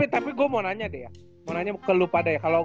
tapi gua mau nanya deh ya